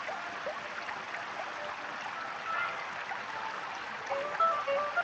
Desde entonces, este equipo ha sido la principal potencia del fútbol estonio.